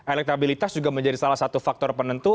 elektabilitas juga menjadi salah satu faktor penentu